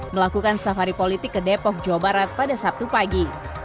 melakukan safari politik ke depok jawa barat pada sabtu pagi